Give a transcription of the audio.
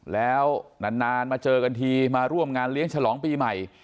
แล้วนานมาเจอกันทีมาร่วมงานเลี้ยงฉลองปีใหม่